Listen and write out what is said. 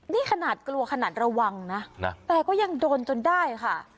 นี่ขนาดกลัวขนาดระวังนะแต่ก็ยังโดนจนได้ค่ะ